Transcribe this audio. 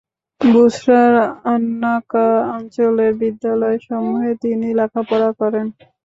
বুসরার আন্নাকা অঞ্চলের বিদ্যালয়সমূহে তিনি লেখাপড়া করেন।